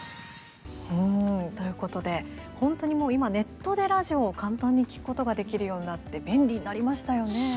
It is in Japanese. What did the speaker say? ということで本当に今ネットでラジオを簡単に聴くことができるようになって便利になりましたよね。